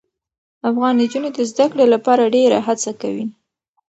افغان نجونې د زده کړې لپاره ډېره هڅه کوي.